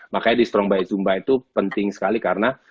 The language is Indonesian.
makanya di strong by sumba itu penting sekali karena